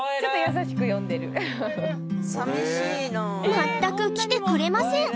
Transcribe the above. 全く来てくれません